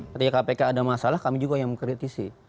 ketika kpk ada masalah kami juga yang mengkritisi